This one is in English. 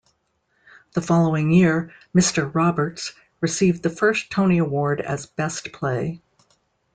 The following year "Mister Roberts" received the first Tony Award as Best Play.